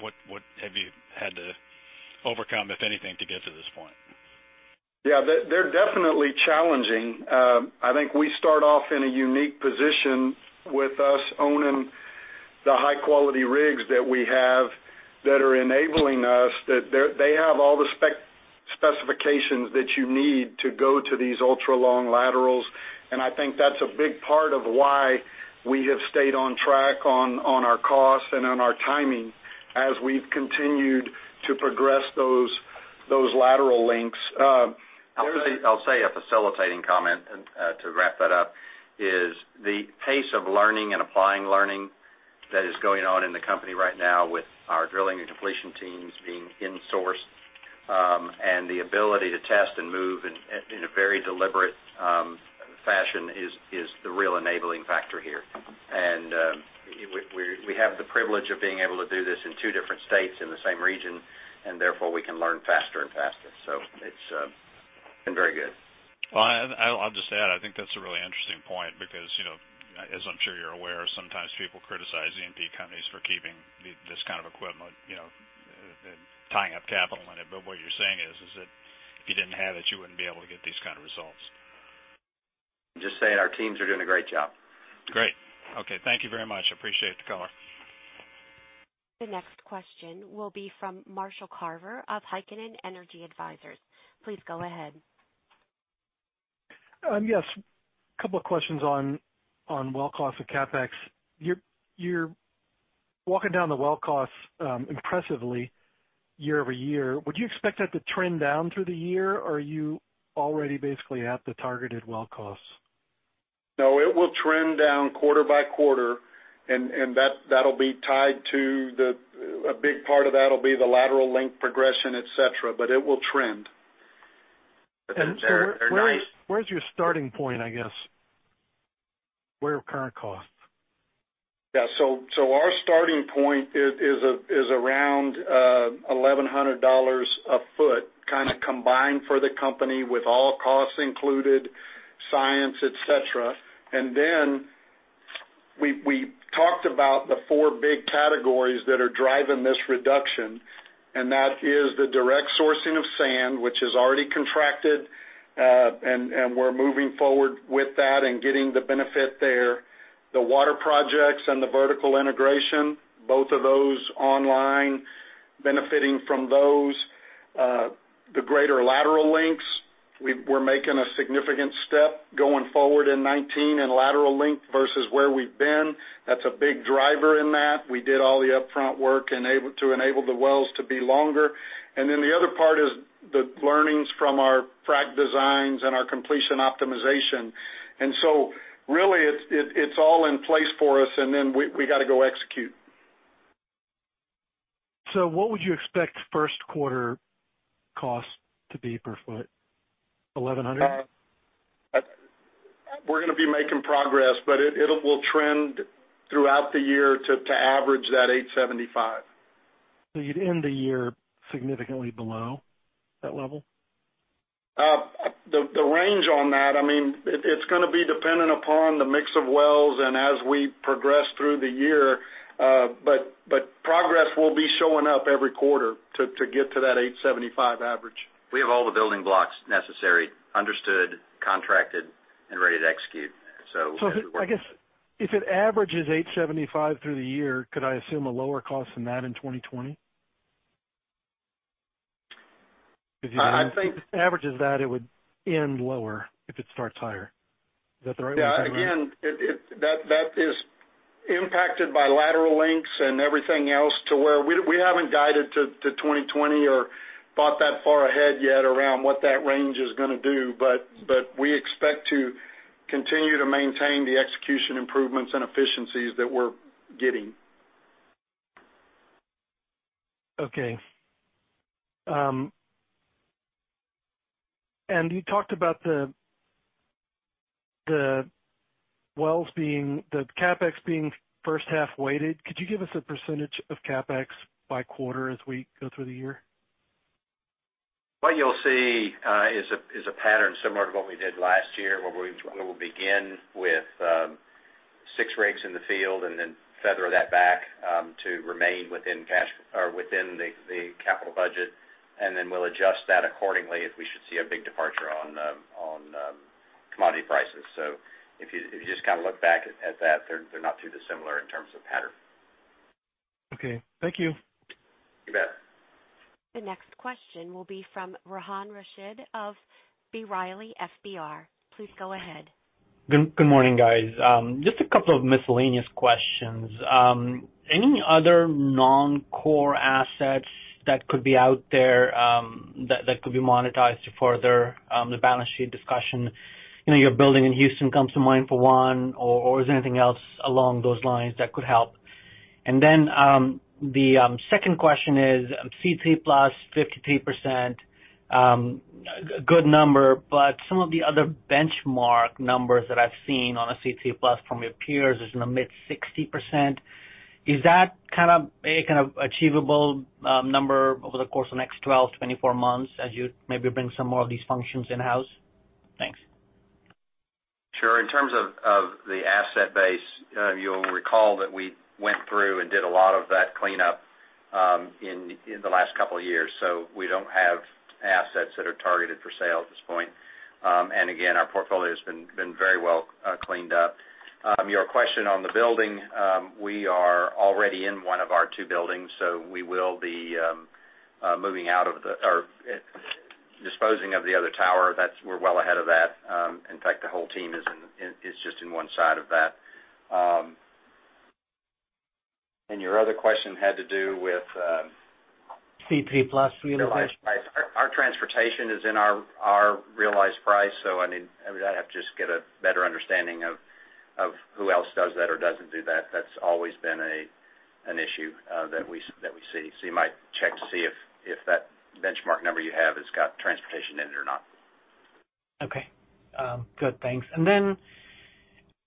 what have you had to overcome, if anything, to get to this point? Yeah, they're definitely challenging. I think we start off in a unique position with us owning the high-quality rigs that we have that are enabling us. They have all the specifications that you need to go to these ultra-long laterals, and I think that's a big part of why we have stayed on track on our costs and on our timing as we've continued to progress those lateral links. I'll say a facilitating comment to wrap that up is the pace of learning and applying learning that is going on in the company right now with our drilling and completion teams being insourced, and the ability to test and move in a very deliberate fashion is the real enabling factor here. We have the privilege of being able to do this in two different states in the same region, and therefore, we can learn faster and faster. It's been very good. Well, I'll just add, I think that's a really interesting point because, as I'm sure you're aware, sometimes people criticize E&P companies for keeping Tying up capital in it. What you're saying is that if you didn't have it, you wouldn't be able to get these kind of results. Just saying our teams are doing a great job. Great. Okay. Thank you very much. Appreciate the color. The next question will be from Marshall Carver of Heikkinen Energy Advisors. Please go ahead. Yes. Couple of questions on well cost and CapEx. You're walking down the well costs impressively year-over-year. Would you expect that to trend down through the year, or are you already basically at the targeted well costs? No, it will trend down quarter by quarter. A big part of that will be the lateral length progression, et cetera. It will trend. Where is your starting point, I guess? Where are current costs? Yeah. Our starting point is around $1,100 a foot, kind of combined for the company with all costs included, science, et cetera. We talked about the four big categories that are driving this reduction, and that is the direct sourcing of sand, which is already contracted, and we're moving forward with that and getting the benefit there. The water projects and the vertical integration, both of those online, benefiting from those. The greater lateral lengths. We're making a significant step going forward in 2019 in lateral length versus where we've been. That's a big driver in that. We did all the upfront work to enable the wells to be longer. The other part is the learnings from our frac designs and our completion optimization. Really it's all in place for us. Then we've got to go execute. What would you expect first quarter costs to be per foot? 1,100? We're going to be making progress, but it will trend throughout the year to average that 875. You'd end the year significantly below that level? The range on that, it's going to be dependent upon the mix of wells and as we progress through the year. Progress will be showing up every quarter to get to that 875 average. We have all the building blocks necessary, understood, contracted, and ready to execute. I guess if it averages $875 through the year, could I assume a lower cost than that in 2020? I think- If it averages that, it would end lower if it starts higher. Is that the right way to think about it? Yeah. Again, that is impacted by lateral lengths and everything else to where we haven't guided to 2020 or thought that far ahead yet around what that range is going to do, but we expect to continue to maintain the execution improvements and efficiencies that we're getting. Okay. You talked about the CapEx being first half weighted. Could you give us a % of CapEx by quarter as we go through the year? What you'll see is a pattern similar to what we did last year, where we will begin with six rigs in the field and then feather that back to remain within the capital budget, and then we'll adjust that accordingly if we should see a big departure on commodity prices. If you just kind of look back at that, they're not too dissimilar in terms of pattern. Okay. Thank you. You bet. The next question will be from Rehan Rashid of B. Riley FBR. Please go ahead. Good morning, guys. Just a couple of miscellaneous questions. Any other non-core assets that could be out there that could be monetized to further the balance sheet discussion? Your building in Houston comes to mind for one, or is there anything else along those lines that could help? The second question is C3+ 53%, good number, but some of the other benchmark numbers that I've seen on a C3+ from your peers is in the mid-60%. Is that kind of an achievable number over the course of the next 12, 24 months as you maybe bring some more of these functions in-house? Thanks. Sure. In terms of the asset base, you'll recall that we went through and did a lot of that cleanup in the last couple of years. We don't have assets that are targeted for sale at this point. Again, our portfolio has been very well cleaned up. Your question on the building, we are already in one of our two buildings, so we will be disposing of the other tower. We're well ahead of that. In fact, the whole team is just in one side of that. Your other question had to do with- C3+ realization realized price. Our transportation is in our realized price. I'd have to just get a better understanding of who else does that or doesn't do that. That's always been an issue that we see. You might check to see if that benchmark number you have has got transportation in it or not. Okay. Good, thanks.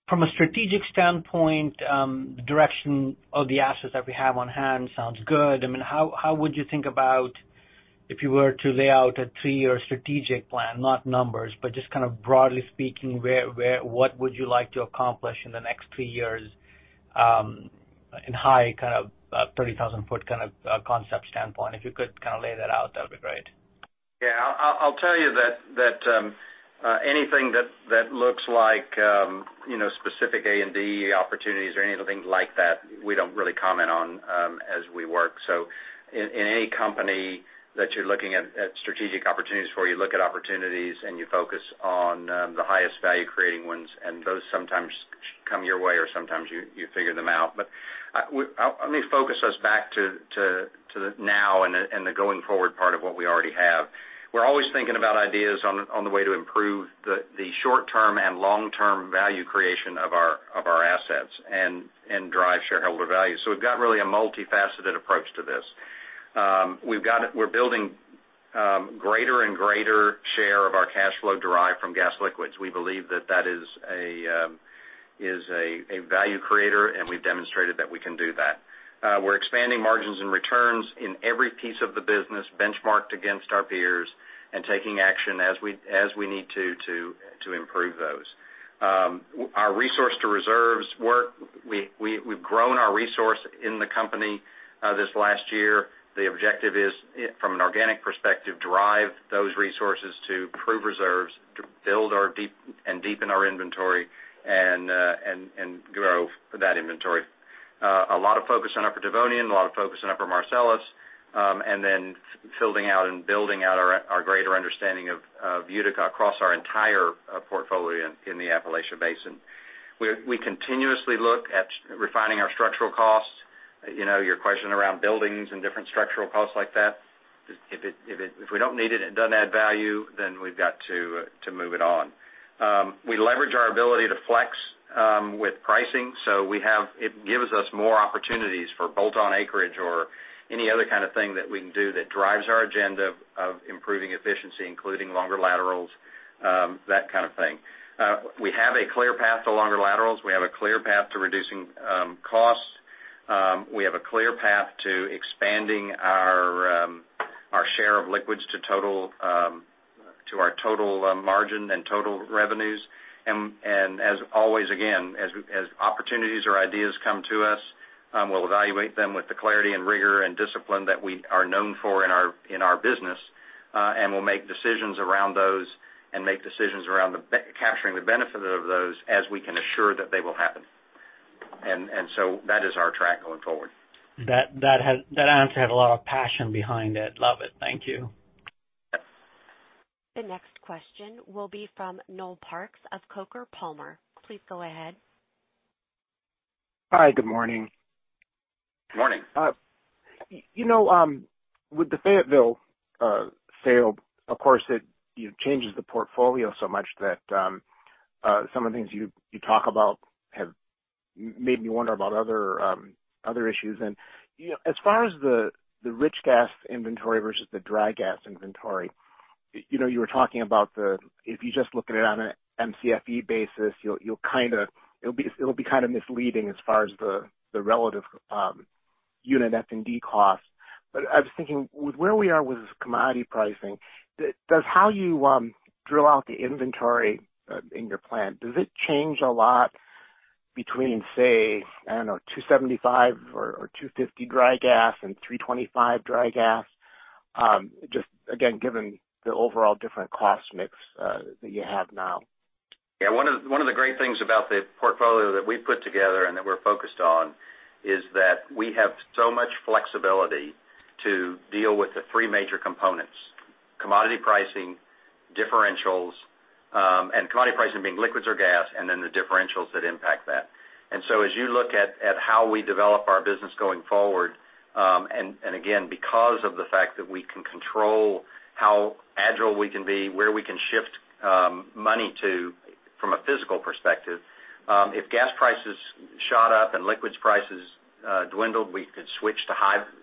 From a strategic standpoint, the direction of the assets that we have on hand sounds good. How would you think about if you were to lay out a three-year strategic plan, not numbers, but just broadly speaking, what would you like to accomplish in the next three years, in high, 30,000-foot concept standpoint? If you could lay that out, that would be great. Yeah. I'll tell you that anything that looks like specific A&D opportunities or anything like that, we don't really comment on as we work. In any company that you're looking at strategic opportunities for, you look at opportunities, and you focus on the highest value-creating ones, and those sometimes come your way, or sometimes you figure them out. Let me focus us back to the now and the going forward part of what we already have. We're always thinking about ideas on the way to improve the short-term and long-term value creation of our assets and drive shareholder value. We've got really a multifaceted approach to this. We're building greater and greater share of our cash flow derived from gas liquids. We believe that that is a value creator, and we've demonstrated that we can do that. We're expanding margins and returns in every piece of the business, benchmarked against our peers, and taking action as we need to improve those. Our resource to reserves work, we've grown our resource in the company this last year. The objective is, from an organic perspective, drive those resources to prove reserves, to build and deepen our inventory and grow that inventory. A lot of focus on Upper Devonian, a lot of focus on Upper Marcellus, then filling out and building out our greater understanding of Utica across our entire portfolio in the Appalachian Basin. We continuously look at refining our structural costs. Your question around buildings and different structural costs like that, if we don't need it doesn't add value, then we've got to move it on. We leverage our ability to flex with pricing, so it gives us more opportunities for bolt-on acreage or any other kind of thing that we can do that drives our agenda of improving efficiency, including longer laterals, that kind of thing. We have a clear path to longer laterals. We have a clear path to reducing costs. We have a clear path to expanding our share of liquids to our total margin and total revenues. As always, again, as opportunities or ideas come to us, we'll evaluate them with the clarity and rigor and discipline that we are known for in our business. We'll make decisions around those and make decisions around capturing the benefit of those as we can assure that they will happen. That is our track going forward. That answer had a lot of passion behind it. Love it. Thank you. The next question will be from Noel Parks of Coker & Palmer. Please go ahead. Hi. Good morning. Morning. With the Fayetteville sale, of course, it changes the portfolio so much that some of the things you talk about have made me wonder about other issues. As far as the rich gas inventory versus the dry gas inventory, you were talking about if you just look at it on an MCFE basis, it'll be kind of misleading as far as the relative unit F&D cost. I was thinking, with where we are with commodity pricing, does how you drill out the inventory in your plant, does it change a lot between, say, I don't know, $2.75 or $2.50 dry gas and $3.25 dry gas? Just again, given the overall different cost mix that you have now. Yeah. One of the great things about the portfolio that we put together and that we're focused on is that we have so much flexibility to deal with the three major components, commodity pricing, differentials, and commodity pricing being liquids or gas, and then the differentials that impact that. As you look at how we develop our business going forward, and again, because of the fact that we can control how agile we can be, where we can shift money to from a physical perspective, if gas prices shot up and liquids prices dwindled, we could switch to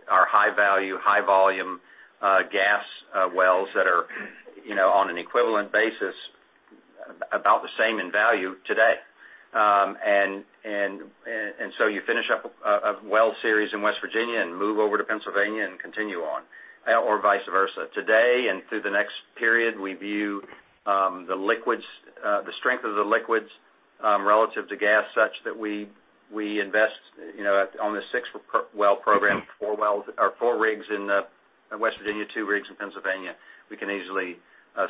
our high-value, high-volume gas wells that are on an equivalent basis about the same in value today. You finish up a well series in West Virginia and move over to Pennsylvania and continue on, or vice versa. Today and through the next period, we view the strength of the liquids relative to gas such that we invest on the six well program, four rigs in West Virginia, two rigs in Pennsylvania. We can easily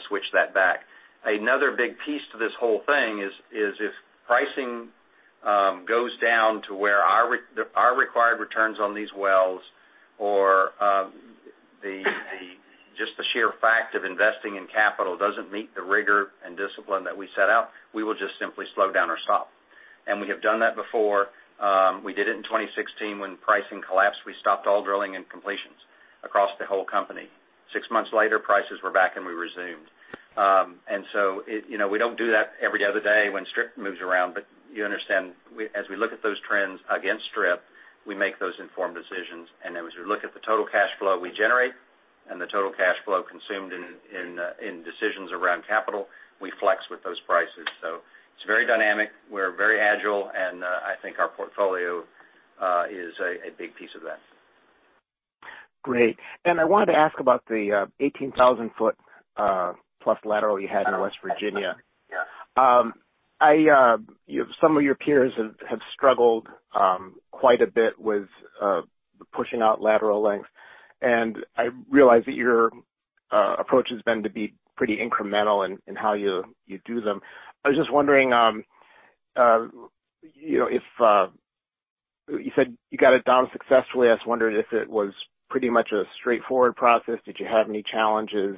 switch that back. Another big piece to this whole thing is if pricing goes down to where our required returns on these wells or just the sheer fact of investing in capital doesn't meet the rigor and discipline that we set out, we will just simply slow down or stop. We have done that before. We did it in 2016 when pricing collapsed. We stopped all drilling and completions across the whole company. Six months later, prices were back, and we resumed. We don't do that every other day when strip moves around. You understand, as we look at those trends against strip, we make those informed decisions. As we look at the total cash flow we generate and the total cash flow consumed in decisions around capital, we flex with those prices. It's very dynamic. We're very agile, and I think our portfolio is a big piece of that. Great. I wanted to ask about the 18,000-foot plus lateral you had in West Virginia. Yeah. Some of your peers have struggled quite a bit with pushing out lateral lengths, I realize that your approach has been to be pretty incremental in how you do them. I was just wondering, you said you got it done successfully. I was just wondering if it was pretty much a straightforward process. Did you have any challenges?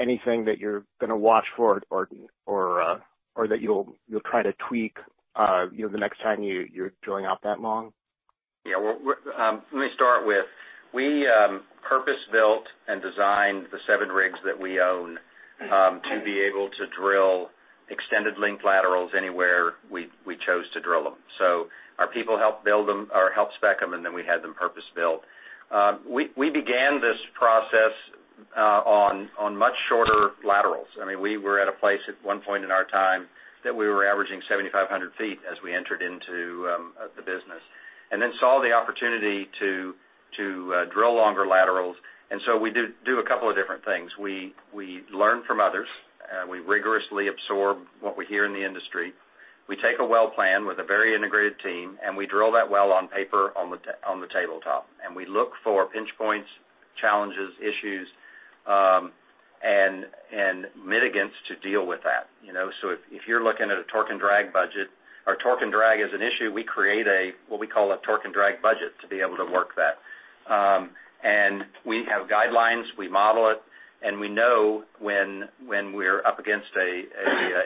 Anything that you're going to watch for or that you'll try to tweak the next time you're drilling out that long? Yeah. Let me start with, we purpose-built and designed the seven rigs that we own to be able to drill extended length laterals anywhere we chose to drill them. Our people helped spec them, and then we had them purpose-built. We began this process on much shorter laterals. We were at a place at one point in our time that we were averaging 7,500 feet as we entered into the business. Saw the opportunity to drill longer laterals, we do a couple of different things. We learn from others. We rigorously absorb what we hear in the industry. We take a well plan with a very integrated team, and we drill that well on paper on the tabletop. We look for pinch points, challenges, issues, and mitigants to deal with that. If you're looking at a torque and drag budget, or torque and drag is an issue, we create a, what we call a torque and drag budget to be able to work that. We have guidelines, we model it, and we know when we're up against an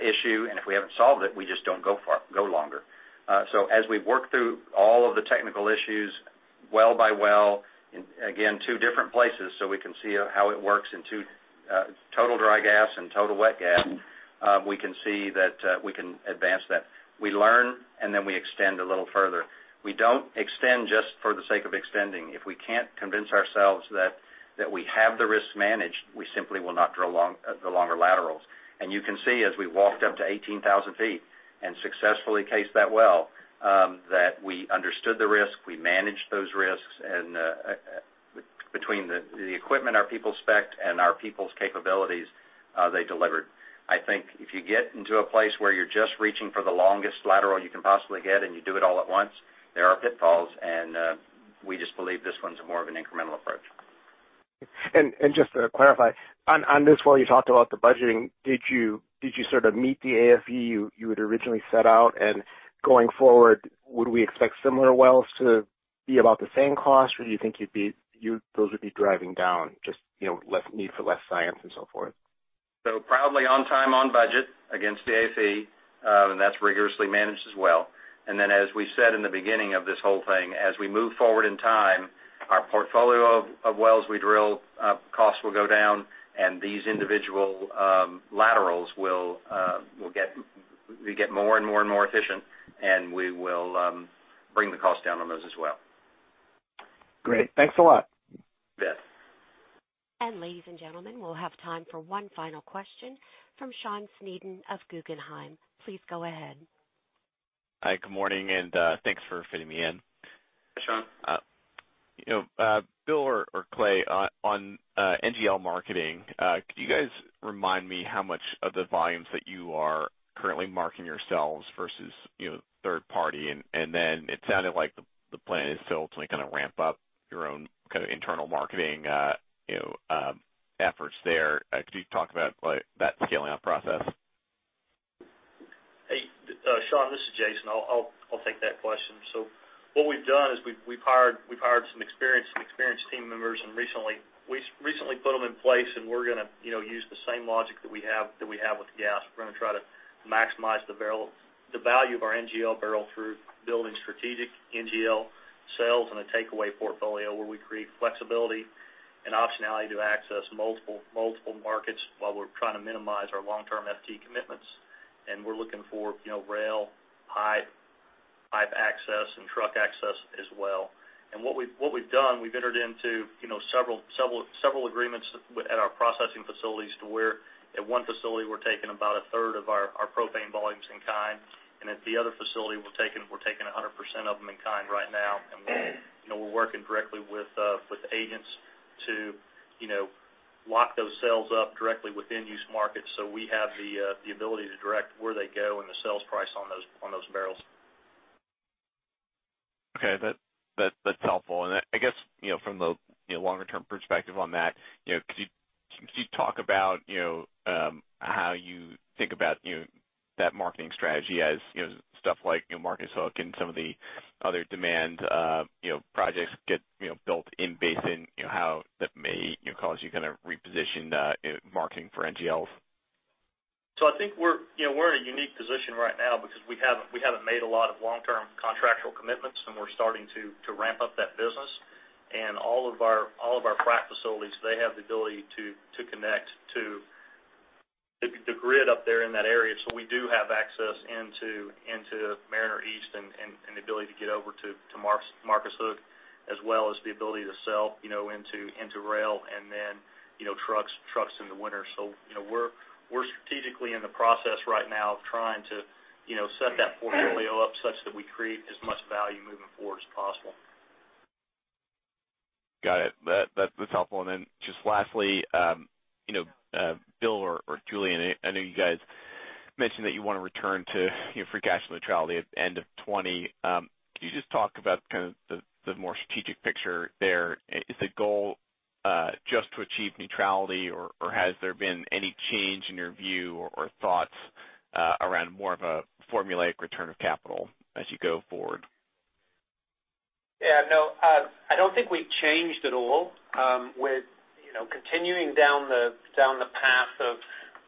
issue, and if we haven't solved it, we just don't go longer. As we work through all of the technical issues well by well, again, two different places, so we can see how it works in two total dry gas and total wet gas. We can see that we can advance that. We learn, and then we extend a little further. We don't extend just for the sake of extending. If we can't convince ourselves that we have the risk managed, we simply will not drill the longer laterals. You can see as we walked up to 18,000 feet and successfully cased that well, that we understood the risk, we managed those risks, and between the equipment our people specced and our people's capabilities, they delivered. I think if you get into a place where you're just reaching for the longest lateral you can possibly get and you do it all at once, there are pitfalls. We just believe this one's more of an incremental approach. Just to clarify, on this well you talked about the budgeting. Did you sort of meet the AFE you had originally set out? Going forward, would we expect similar wells to be about the same cost, or do you think those would be driving down, just need for less science and so forth? Proudly on time, on budget against the AFE, and that's rigorously managed as well. As we said in the beginning of this whole thing, as we move forward in time, our portfolio of wells we drill, costs will go down and these individual laterals will get more and more efficient, and we will bring the cost down on those as well. Great. Thanks a lot. Yes. Ladies and gentlemen, we'll have time for one final question from Sean Sneeden of Guggenheim. Please go ahead. Hi, good morning, and thanks for fitting me in. Hi, Sean. Bill or Clay, on NGL marketing, could you guys remind me how much of the volumes that you are currently marketing yourselves versus third party? It sounded like the plan is to ultimately ramp up your own internal marketing efforts there. Could you talk about that scaling up process? Hey, Sean, this is Jason. I'll take that question. What we've done is we've hired some experienced team members, and we recently put them in place and we're going to use the same logic that we have with gas. We're going to try to maximize the value of our NGL barrel through building strategic NGL sales and a takeaway portfolio where we create flexibility and optionality to access multiple markets while we're trying to minimize our long-term FT commitments. We're looking for rail, pipe access, and truck access as well. What we've done, we've entered into several agreements at our processing facilities to where at one facility, we're taking about a third of our propane volumes in kind. At the other facility, we're taking 100% of them in kind right now. We're working directly with agents to lock those sales up directly within use markets so we have the ability to direct where they go and the sales price on those barrels. Okay. That's helpful. I guess from the longer-term perspective on that, could you talk about how you think about that marketing strategy as stuff like Marcus Hook and some of the other demand projects get built in-basin, how that may cause you to reposition marketing for NGLs? I think we're in a unique position right now because we haven't made a lot of long-term contractual commitments, we're starting to ramp up that business. All of our frac facilities, they have the ability to connect to the grid up there in that area. We do have access into Mariner East and the ability to get over to Marcus Hook. As well as the ability to sell into rail and then trucks in the winter. We're strategically in the process right now of trying to set that portfolio up such that we create as much value moving forward as possible. Got it. That's helpful. Then just lastly, Bill or Julian, I know you guys mentioned that you want to return to your free cash neutrality at the end of 2020. Could you just talk about kind of the more strategic picture there? Is the goal just to achieve neutrality, or has there been any change in your view or thoughts around more of a formulaic return of capital as you go forward? Yeah, no, I don't think we've changed at all with continuing down the path of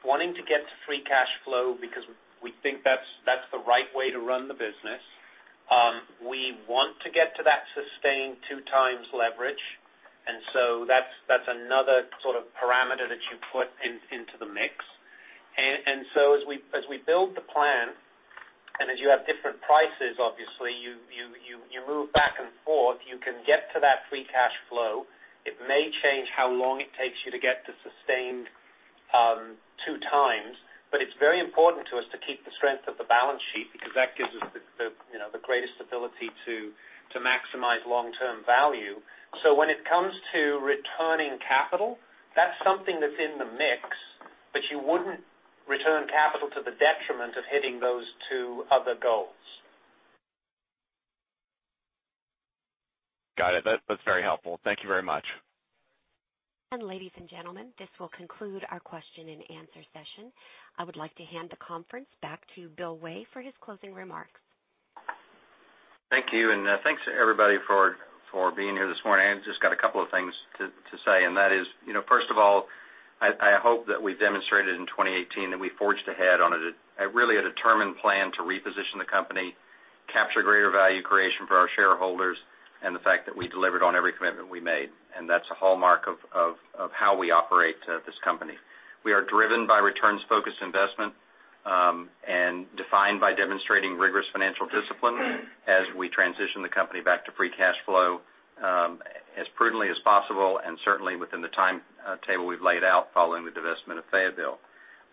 wanting to get to free cash flow because we think that's the right way to run the business. We want to get to that sustained two times leverage, that's another sort of parameter that you put into the mix. As we build the plan, and as you have different prices obviously, you move back and forth. You can get to that free cash flow. It may change how long it takes you to get to sustained two times. It's very important to us to keep the strength of the balance sheet, because that gives us the greatest ability to maximize long-term value. When it comes to returning capital, that's something that's in the mix, but you wouldn't return capital to the detriment of hitting those two other goals. Got it. That's very helpful. Thank you very much. Ladies and gentlemen, this will conclude our question and answer session. I would like to hand the conference back to Bill Way for his closing remarks. Thank you, thanks, everybody, for being here this morning. I just got a couple of things to say, and that is, first of all, I hope that we demonstrated in 2018 that we forged ahead on a really determined plan to reposition the company, capture greater value creation for our shareholders, and the fact that we delivered on every commitment we made. That's a hallmark of how we operate this company. We are driven by returns-focused investment, and defined by demonstrating rigorous financial discipline as we transition the company back to free cash flow as prudently as possible, and certainly within the timetable we've laid out following the divestment of Fayetteville.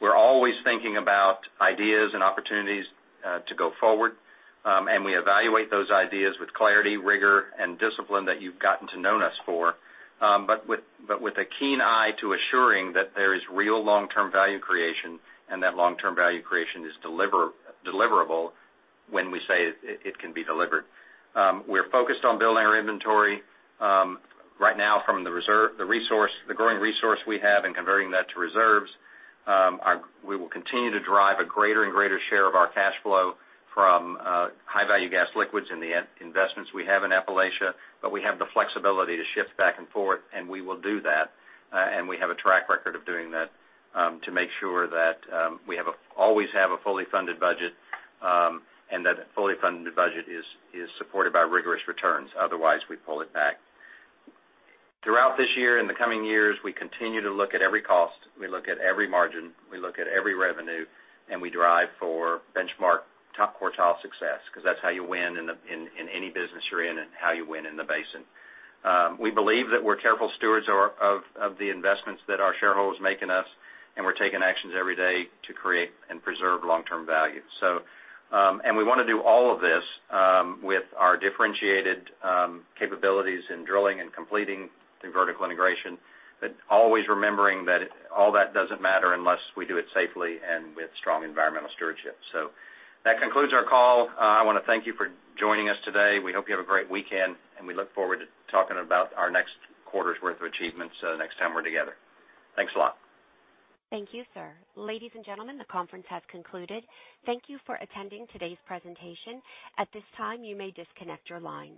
We're always thinking about ideas and opportunities to go forward. We evaluate those ideas with clarity, rigor, and discipline that you've gotten to know us for. With a keen eye to assuring that there is real long-term value creation, and that long-term value creation is deliverable when we say it can be delivered. We're focused on building our inventory. Right now, from the growing resource we have and converting that to reserves, we will continue to drive a greater and greater share of our cash flow from high-value gas liquids in the investments we have in Appalachia. We have the flexibility to shift back and forth, and we will do that. We have a track record of doing that to make sure that we always have a fully funded budget, and that fully funded budget is supported by rigorous returns. Otherwise, we pull it back. Throughout this year and the coming years, we continue to look at every cost, we look at every margin, we look at every revenue, and we drive for benchmark top quartile success, because that's how you win in any business you're in and how you win in the basin. We believe that we're careful stewards of the investments that our shareholders make in us, and we're taking actions every day to create and preserve long-term value. We want to do all of this with our differentiated capabilities in drilling and completing through vertical integration, but always remembering that all that doesn't matter unless we do it safely and with strong environmental stewardship. That concludes our call. I want to thank you for joining us today. We hope you have a great weekend, we look forward to talking about our next quarter's worth of achievements next time we're together. Thanks a lot. Thank you, sir. Ladies and gentlemen, the conference has concluded. Thank you for attending today's presentation. At this time, you may disconnect your lines.